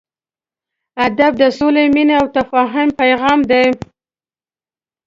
ادب د سولې، مینې او تفاهم پیغام دی.